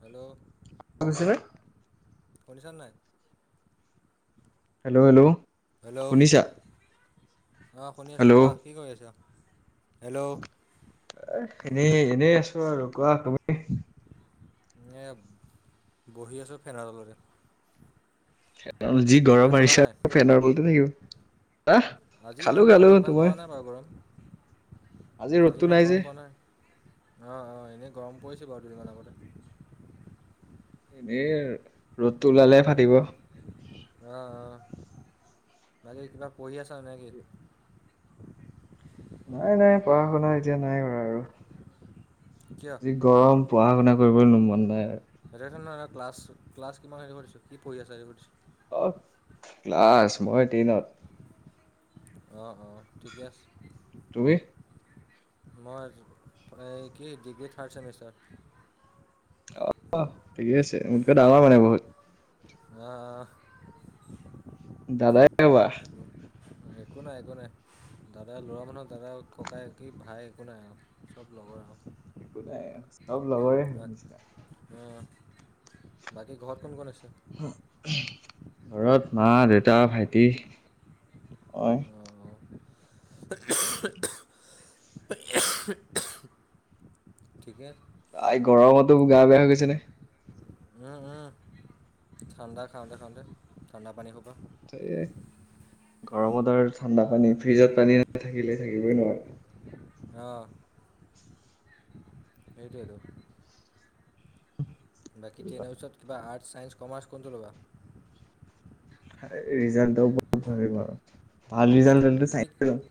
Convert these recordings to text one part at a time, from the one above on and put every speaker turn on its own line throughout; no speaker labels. Hello,
শুনিছেনে?
শুনিছানে নাই?
হেল্ল' হেল্ল' শুনিছা
অহ শুনি আছোঁ
হেল্ল'
কোৱা কি কৰি আছ? হেল্ল'।
এহ এনেই এনেই আছোঁ আৰু। কোৱা তুমি?
এনেয়ে বহি আছোঁ ফেনৰ তলতে।
যি
কিবা
গৰম
খালা
আহিছে
নাই?
ফেনৰ বলতে থাকিব আহ
আজি
খালো
ইমান
খালো
আজি ইমান
তোমাৰ
পৰা নাই বাৰু গৰম, আজি ইমান গৰম পোৱা নাই। অ অ এনেই গৰম পৰিছে বাৰু দুদিনমান আগতে।
এনেই আৰু ৰ'দটো ওলালেহে ফাটিব।
অ অ। বাকী কিবা পঢ়ি আছা নে কি?
নাই এনেই পঢ়া শুনা এতিয়া নাই কৰা আৰু।
কিয়?
যি গৰম পঢ়া শুনা কৰিবলৈ মন নাই আৰু।
এতিয়াটো নহয় ক্লাছ ক্লাছ কিমান সেইটো সুধিছোঁ। কি পঢ়ি আছা সেইটো সুধিছোঁ।
অহ ক্লাছ, মই টেইনত।
অঁ অঁ ঠিকে আছে।
তুমি?
মই, এই কি ডিগ্ৰী থাৰ্ড চেমিষ্টাৰ।
অ অহ ঠিকে আছে। মোতকে ডাঙৰ মানে বহুত
অহ।
দাদাই হ'বা।
একো নাই একো নাই। দাদা ল'ৰা মানুহক দাদা ককাই কি ভাই একো নাই আৱ চব লগৰ আৱ।
একো নাই চব লগৰে নিচিনা।
অহ। বাকী ঘৰত কোন কোন আছে?
হো উমহ, ঘৰত মা, দেউতা, ভাইটি, মই।
হো উমহ উমহ, হো উমহ উমহ, ঠিকে।
আই গৰমটো গা বেয়া হৈ গৈছে নে?
উম উম ঠাণ্ডা খাওঁতে খাওঁতে ঠাণ্ডা পানী সোপা।
তাকে, গৰমত আৰু ঠাণ্ডা পানী ফ্ৰিজত পানী নথাকিলে থাকিবই নোৱাৰোঁ।
অহ, সেইটোৱেটো। বাকী টেনৰ পাছত কিবা আৰ্টছ, চাইন্স, কমাৰ্চ কোনটো ল'বা?
সেই ৰিজাল্টটোৰ ওপৰত ভাবিম আৰু ভাল ৰিজাল্ট হ'লে টো চাইন্সে লম।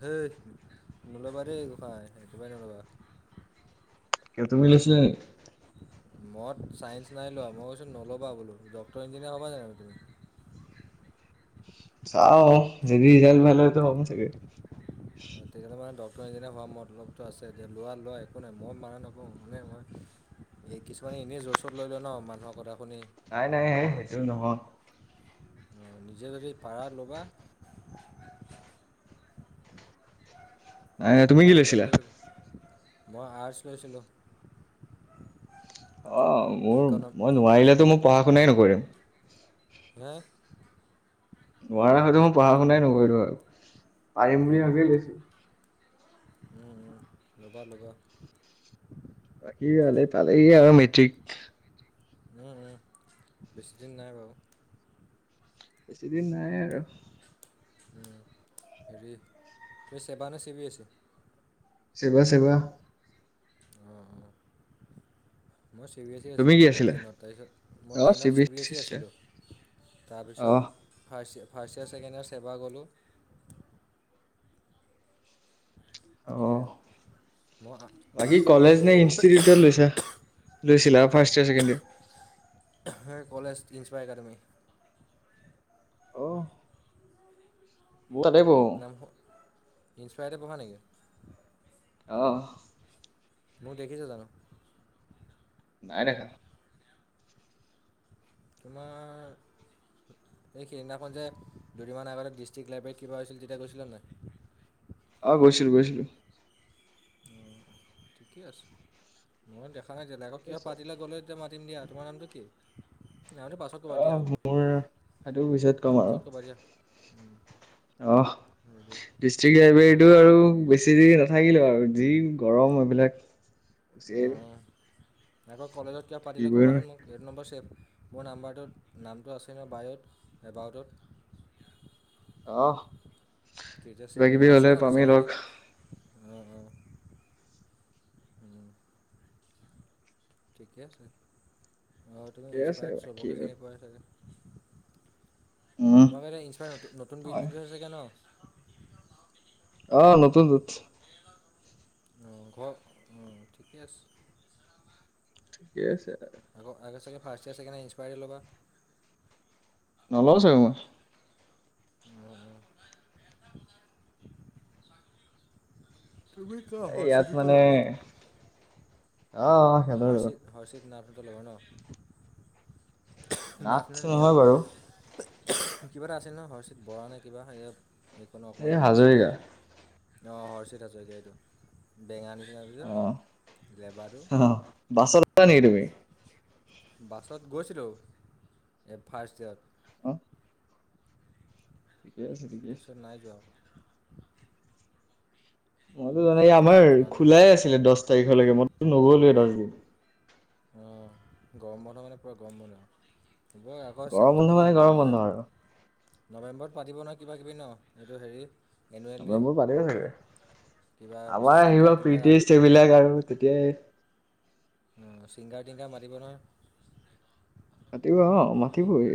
সেই নল'বা দেই গোসাঁই একেবাৰে নল'বা।
কিয় তুমি লৈছিলা নেকি?
মত চাইন্স নাই লোৱা। মই কৈছো নল'বা বোলো ডক্টৰ, ইঞ্জিনিয়াৰ হ'বা জানো তুমি?
চাও যদি ৰিজাল্ট ভাল হয় ত হম ছাগে।
তেতিয়াহ'লে মানে ডক্তৰ, ইঞ্জিনিয়াৰ হোৱাৰ মতলপটো আছে এতিয়া লোৱা লোৱা একো নাই মই মানা নকওঁ মানে মই এ কিছুমানে এনেই জ' চত লৈ লয় ন মানুহৰ কথা শুনি
নাই নাই হে সেইটো নহয়।
অ নিজে যদি পাৰা ল'বা
নাই নাই তুমি কি
পাৰিলে
লৈছিলা?
লৈ লবা, মই আৰ্টছ লৈছিলোঁ।
অঁ মোৰ
ইকনম
মই নোৱাৰিলেতো মোৰ পঢ়া শুনাই নকৰিম।
হে!
নোৱাৰা হয়তো মই পঢ়া - শুনাই নকৰিলো আৰু পাৰিম বুলি ভাবি এই লৈছোঁ।
উম উম লবা লবা।
বাকী হলে পালেহি আৰু মেট্ৰিক।
উম উম বেছিদিন নাই বাৰু।
বেছিদিন নাই আৰু।
উম হেৰি, তই চেবা নে চিবি এছ ই?
চেবা চেবা।
অঁ অঁ। মই চি বি এছ ই
তুমি
আছিলোঁ
কি আছিলা
টেনত তাৰপিছত মই
অ
টেনত C
civil
B S E
sister
আছিলোঁ। তাৰপিছত
অহ
first first year second year Seva গলোঁ। সেইয়া
অহ
আৰু। মই
বাকী কলেজ নে ইনষ্টিটিউটত লৈছা, লৈছিলা ফাৰ্ষ্ট ইয়েৰ ছেকেণ্ড ইয়েৰ?
আহাঁ কলেজ ইংস্পা একাডেমী।
অহ। মইও তাতে পঢ়ো।
নাম হ ইস্পায়াৰতে পঢ়া নেকি?
অঁহ।
মোক দেখিছা জানোঁ?
নাই দেখা।
তোমাৰ এই সিদিনাখন যে দুদিনমান আগতে ডিষ্ট্ৰিক্ট লাইব্ৰেৰীত কিবা হৈছিল তেতিয়া গৈছিলা নাই?
অ গৈছিলোঁ গৈছিলোঁ।
ঠিকে আছে ময়ো দেখা নাই জেনেকে কিবা পাতিলে গ'লে তাতে মাতিম দিয়া তোমাৰ নামটো কি? নামটো পাছত ক'বা দিয়া
আহ,
হ'ব।
মোৰ সেইটো পিছত কম আৰু।
পাছত ক'বা দিয়া। উম,
অহ,
হেৰি
ডিষ্ট্ৰিক
কি
লাইব্ৰেৰীটো
বুলি কয়
আৰু বেছি দিন নাথাকিলোঁ আৰু যি গৰম এইবিলাক গুচি আহিলো
অঁহ, আকৌ কলেজত কিবা পাতিলে
থাকিবই নোৱাৰি
ক'বাচোন মোক? এটো নম্বৰ ছেভ, মোৰ নাম্বাৰটোত নামটো আছে ন বায়'ত এবাউটত।
অহ।
ঠিক আছে,
কিবা কিবি
মই আছে
হ'লে
মানুহ
পামেই লগ
চিনাকি অ অ। উম। ঠিকে আছে, অঁ তুমি
ঠিকে আছে
ইনস্পায়াৰ্ড
বাকী
চবকে
আৰু
চিনি পোৱাই চাগে?
উম
তোমাৰ এতিয়া ইনস্পায়াৰ্ড নতুন নতুন
হয়
বিল্ডিংটো হে চাগে ন?
অ নতুনটোত।
অহ ঘৰ অহ ঠিকে আছে।
ঠিকে আছে তেনেহলে।
আকৌ আকৌ চাগে first year second year inspired লবা।
নলওঁ চাগে মই।
আহ। তুমি কা
এই ইয়াত
হৰ্চিতিতে
মানে
লবা?
অ অ সিহঁতৰ লগত
হৰ্ষিত হৰ্ষিত নাথটো ল'ব ন? নাথ নে নেওগ‌
নহয় বাৰু
কিবা এটা আছিল নহ', হৰ্ষিত বৰা নে কিবা ‍ হেৰিয়ত', লেকখনৰ
এই
অকণমান
হাজৰিকা
ওচৰতে অহ', হৰ্ষিত হাজৰিকীয়া এইটো', বেঙা নিচিনা এটো যে
অ',
লেবাটো
অ', বাছত আছা নেকি
উম',
তুমি?
বাছত গৈছিলোঁ, এই ফাৰ্ষ্ট ইয়েৰত',
হুম', ঠিকে আছিলি?
তাৰছত নাই যোৱা',
মইতো জানাই,
তাৰপিছত
আমাৰ
যোৱা নাই
খোলাই আছিলে দশ তাৰিখলৈকে মইতো নগলোয়ে দশ দিন',
অ' গৰম বন্ধ মানে পুৰা গৰম বন্ধ', জুলাই আগষ্ট
গৰম
ছেপ্ট
বন্ধ মানে গৰম বন্ধ
নৱেম',
আৰু
নৱেম্বৰত পাতিব নহয় কিবা কিবি ন এইটো হেৰি', এনুৱেল
অ',
ডে
মই, মোৰ বাদে দে,
কিবা
আমাৰ আহিব
ছিংগাৰ টিংগাৰ আন
প্ৰিটেষ্ট এইবিলাক আৰু তেতিয়াই',
অ', চিংগাৰ টিংগাৰ মাৰিব নহয়',
মাতিব, অহ', মাতিবই',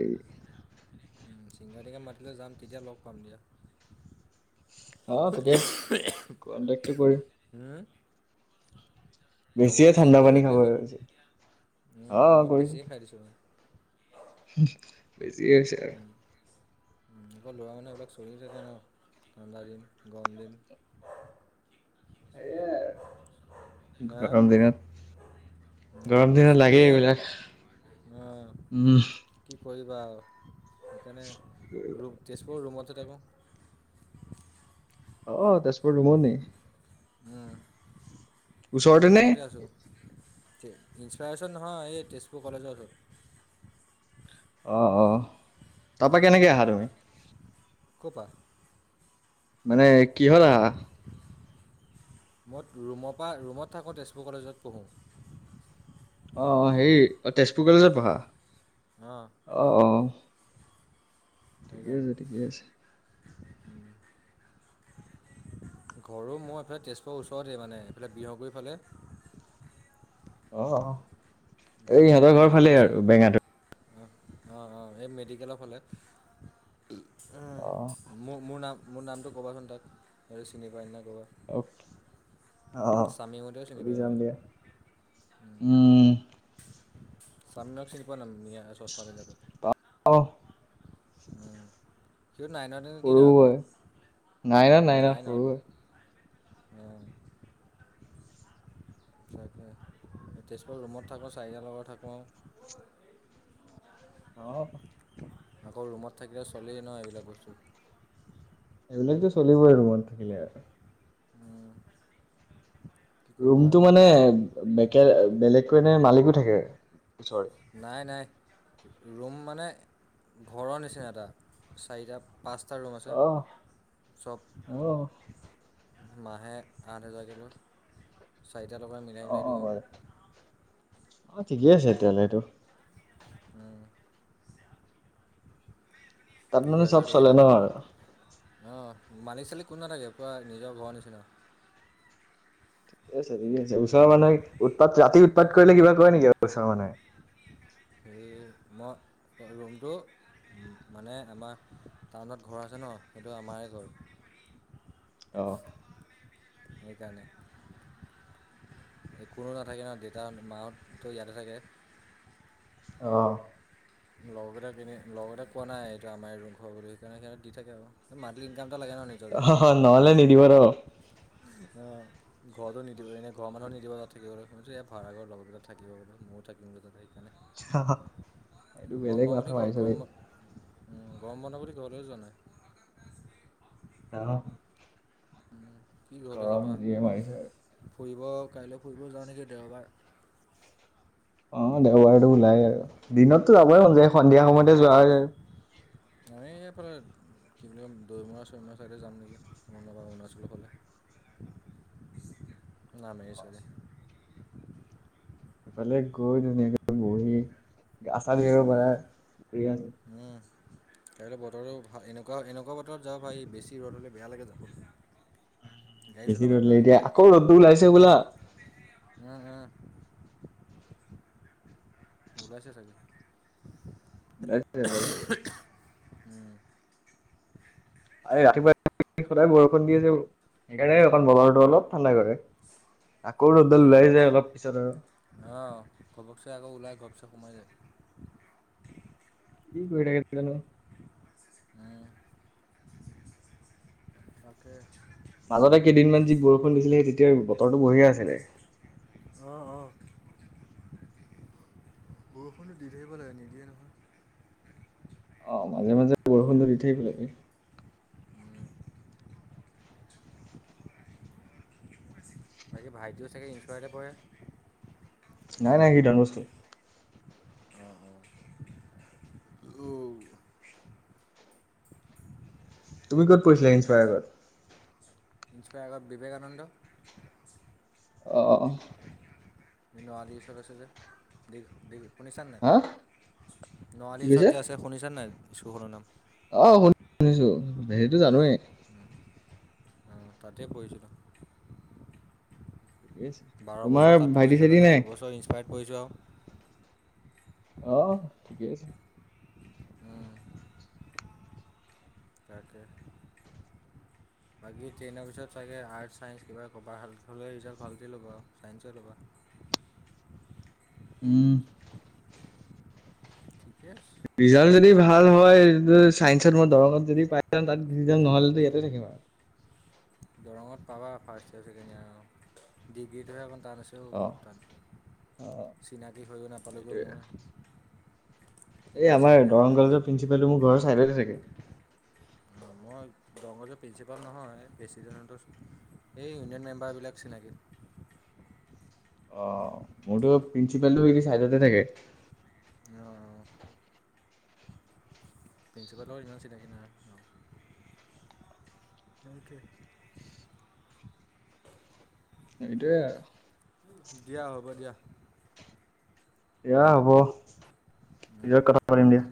উম', চিংগাৰ টিংগাৰ মাতিলে যাম তেতিয়া লগ পাম দিয়া', উঃ, উঃ',
কণ্টেক্ট টো কৰি',
উম',
বেছিয়ে
নম্বৰটো ছেভ
ঠাণ্ডা
কৰি
পানী
থৈ
খাব
দিলেই হ'ল,
হৈছে।
হুম',
অ',
মই বেছিয়ে খাই দিছোঁ অ',
বেছি এ হৈছে আৰু',
উম', এনেকুৱা ল'ৰা মানুহ এইবিলাক চলি থাকে ন, ঠাণ্ডা দিন, গৰম দিন',
সেইয়াই,
হা
গৰম দিনত? গৰম দিনত লাগেই এইবিলাক,
অ',
উম',
কি কৰিবা‌ আৰু সেইকাৰণে', ৰুম তেজপুৰৰ ৰুমতে থাকো',
অ', - অ', তেজপুৰৰ ৰুমত নি',
উম', এতিয়া
ওচৰতে নে?
ৰুমতে আছোঁ', তেজ, ইনসপাইৰেশচন নহয়, এই তেজপুৰ কলেজৰ ওচৰত',
অ', - অ', তাৰপা কেনেকে আহা তুমি?
কপা?
মানে কিহত আহা?
মই ৰুমৰ পৰা? ৰুমত থাকোঁ তেজপুৰ কলেজত পঢ়োঁ',
অ', হেৰি অ', তেজপুৰ কলেজে পঢ়া?
অঁ',
অহ', ঠিকে
সেইকাৰণে',
[unintelligible]
ঘৰও মই এইফালে তেজপুৰৰ ওচৰতে মানে, এইফালে বিহগুৰি ফালে',
অ', -অ', এই ইহঁতৰ ঘৰ ফালে
মেডিকেলৰ ছাইডে
আৰু বেঙাটোৰ',
অঁ', - অঁ', - অঁ', এই মেডিকেলৰ ফালে, মো, মোৰ নাম', মোৰ নামটো ক'বাচোন তাক আৰু চিনি পাই নে ক'বা', উম',
অ'
চামিম হতেও চিনি
সুধি চাম
পাব',
দিয়া। উম',
চাননাওক চিনি পোৱা ন মিয়া চশমা পিন্ধা টো?
অহ',
সিও নাইনতে নেকি ন
সৰু হয়। নাইনত
এইবাৰ অ',
সৰু
নাইনত',
হয়।
অহ', তাকে, তেজপুৰৰ ৰুমত থাকোঁ চাৰিটা লগত থাকোঁ',
অ'
আকৌ ৰুমত থাকিলে চলেই ন এইবিলাক বস্তু',
এইবিলাকতো চলিবই আৰু ৰুমত। কি আৰু
উম', কি ক'বা
ৰুমটো
আৰু
মানে বে বেলেগকৈ নে মালিকো থাকে, ওচৰত।
নাই নাই ৰুম মানে ঘৰৰ নিচিনা এটা, চাৰিটা পাঁচটা ৰুম আছে,
অ'
চব
অ'
মাহে আঠ হেজাৰকে লয়। চাৰিটা টকা মিল
অ অ অ [inaudible] ঠিকেই আছে তেতিয়াহলে সেইটো।
উম।
তাত মানে চব
দুহেজাৰ
চলে ন
দুহেজাৰকে দিওঁ,
আৰু?
অ মালিক চালি কোনো নাথাকে পোৰা নিজৰ ঘৰৰ নিচিনা।
ঠিকে আছে ঠিকে আছে, ওচৰৰ মানুহে উৎপাত ৰাতি উৎপাত কৰিলে কিবা কয় নেকি ওচৰৰ মানুহে?
হেৰি, মই ৰুমটো মানে আমাৰ টাউনত ঘৰ আছে ন সেইটো আমাৰে ঘৰ।
অ
সেইকাৰণে। কোনো নাথাকে ন দেতাহঁত মাহহঁততো ইয়াতে থাকে।
অ
লগৰকেইটা কিনি, লগৰকেইটাক কোৱা নাই এইটো আমাৰে ৰুম ঘৰ বুলি সেইকাৰণে সিহঁতি দি থাকে আৰু মান্থলি ইনকাম এটা লাগে ন। নিজকে
হ হ নহলে নিদিব ন?
অহ ঘৰতো নিদিব এনে ঘৰ মানুহো নিদিব তাত থাকিবলে ভাড়া ঘৰ লগকেইটা থাকিব বুলো ময়ো থাকিমগে তাতে।
এইটো
[unintelligible] [inaudible]
বেলেগ
গম পাওঁ
মাথা
বুলি, বুলি
মাৰিছ বে
গম উম গৰম বন্ধ বুলি ঘৰলেও যোৱা নাই।
অ
উম কি ঘৰলে যাবা,
যিয়ে মাৰিছে
ফুৰিব কাইলে ফুৰিব যাওঁ নেকি দেওবাৰ।
অ দেওবাৰেটো ওলাই আৰু দিনতটো যাবই
উম,
মন যায় সন্ধিয়া সময়তে যোৱা হয়।
আমি এইফালে কি বুলি কম দৈমৰা-চৈমৰা ছাইডে যাম নেকি নহবা অৰুণাচলৰ ফালে।
[inaudible]
[unintelligible]
ইফালে গৈ ধুনীয়াকে বহি, গা চা ধুই আহিব পাৰা,
উম,
ধুই আহা।
উম কাইলে বতৰটো এনেকুৱা এনেকুৱা বতৰত যাব পাৰি বেছি ৰ'দ হ'লে বেয়া লাগে যাব। গাড়ী
বেছি
চলাব
ৰ'দ
এলাহ
দিলে
লাগি
এতিয়া
যায়
আকৌ ৰ'দটো ওলাইছে হবলা।
উম উম। ওলাইছে চাগে।
ওলাইছে ওলাইছে।
উম।
এই ৰাতিপুৱা সদায় [unintelligible] বৰষুণ দি আছে, সেইকাৰণে অকণ বৰতটো অলপ ঠাণ্ডা কৰে। আকৌ ৰ'দদাল ওলাই যায় অলপ পিছত আৰু।
অ ঘপকছে আকৌ ওলাই ঘপছে সোমাই যায়।
কি কৰি থাকে নাজানো।
উম। তাকে।
মাজতে কেইদিনমান যি বৰষুণ দিছিলে সেই তেতিয়া বতৰটো বঢ়িয়া আছিলে।
অহ অহ। বৰষুণটো দি থাকিব লাগে নিদিয়ে নহয়।
অ মাজে মাজে বৰষুণটো দি থাকিব লাগে।
উম, বাকী ভাইটিও চাগে ইনংলিচতে পঢ়ে।
নাই নাই সি ডনবোস্কত
অ অ উ
তুমি ক'ত পঢ়িছিলা ইনসপায়াৰ্কত।
ইন্স্পায়াৰৰ বিবেকানন্দ
অ অ অ
নোৱাৰী ওচৰত আছে যে দি শুনিছা নে নাই
হা
নোৱাৰী
কি
ওচৰত
কৈছে
যে আছে। শুনিছা নে নাই স্কুল খনৰ নাম।
অ শুনি শুনিছো হেৰিতো জানোৱেই।
অঁ, তাতে পঢ়িছিলোঁ
ঠিকে আছে
বাৰ
তোমাৰ
বছৰ তাত
ভাইটি
পঢ়িছোঁ,
চাইটি
তাৰপিছত
নাই
দুবছৰ ইনস্পায়ত পঢ়িছোঁ আও।
অহ, ঠিকেই আছে।
উম। তাকে
[unintelligible]
বাকী টেনৰ পিছত চাগে আৰ্টছ ছাইন্ঞ্চ কিবা ক'বা হ'লে ৰিজাল্ট ভালকে ল'বা আৰু ছাইন্সে ল'বা।
উম
ঠিকে আছে।
ৰিজাল্ট যদি ভাল হয় চাইন্সত মই দৰঙত যদি পাই যাও তাত গুছি যাম, নহ'লেতো ইয়াতে থাকিম আও
দৰঙত পাবা ফাৰ্ষ্ট ইয়েৰ ছেকেণ্ড ইয়েৰ আৰু ডিগ্ৰীটোহে অকণমান টান হৈ- ও
অ
বহুত টান,
অ
চিনাকি হৈ নাপালোগৈও
সেইটোয়ে
মই।
এই
ইমান
আমাৰ
চিনাকি হৈও
দৰং কলেজৰ
নাপালোঁগৈ
প্ৰিন্ঞ্চিপালটো মোৰ ঘৰৰ ছাইডতে থাকে।
মই দৰংগজৰ প্ৰিন্সিপাল নহয় প্ৰেছিডেণ্টহঁতৰ- এই ইউনিয়ন মেম্বাৰ বিলাক চিনাকি।
অ মোৰতো প্ৰিন্ঞ্চিপালটো সে চাইডতে থাকে।
অঁ অঁ প্ৰিন্সিপালৰ ইমান চিনাকী নাই। মৌখে [unintelligible]
সেইটোৱে আৰু।
দিয়া হ'ব দিয়া।
দিয়া হ'ব,
উম।
পিজত কথা পাতিম দিয়া।